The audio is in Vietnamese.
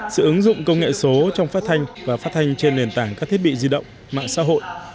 sự ứng dụng công nghệ số trong phát thanh và phát thanh trên nền tảng các thiết bị di động mạng xã hội